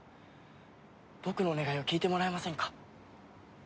僕のお願いを聞いてもらえませんか？